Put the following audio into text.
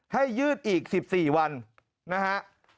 ยืดอีก๑๔วันนะฮะ